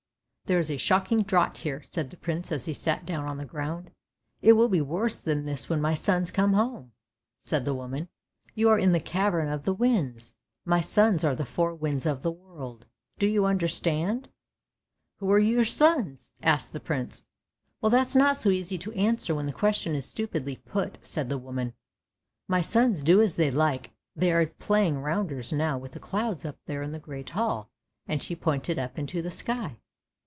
"" There is a shocking draught here," said the Prince, as he sat down on the ground. " It will be worse than this when my sons come home! " said the woman. " You are in the cavern of the winds; my sons are the four winds of the world! Do you under stand? "" Who are your sons? " asked the Prince. " Well that's not so easy to answer when the question is stupidly put," said the woman. " My sons do as they like, they are playing rounders now with the clouds up there in the great hall," and she pointed up into the sky.